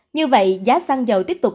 như vậy giá xăng dầu tiếp tục tăng